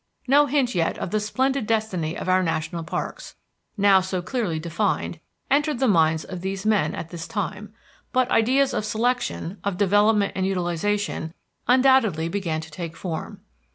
No hint yet of the splendid destiny of our national parks, now so clearly defined, entered the minds of these men at this time, but ideas of selection, of development and utilization undoubtedly began to take form.